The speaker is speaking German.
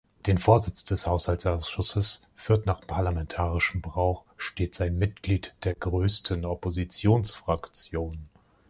Den Vorsitz des Haushaltsausschusses führt nach parlamentarischem Brauch stets ein Mitglied der größten Oppositionsfraktion.